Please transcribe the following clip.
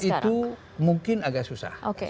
itu mungkin agak susah